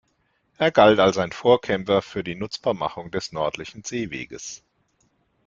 Er galt als ein Vorkämpfer für die Nutzbarmachung des Nördlichen Seeweges.